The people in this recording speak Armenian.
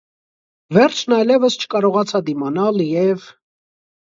Վերջն այլևս չկարողացա դիմանալ և…